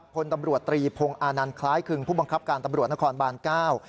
พลตำรวจตรีพงศ์อานันต์คล้ายคึงผู้บังคับการตำรวจนครบานเก้า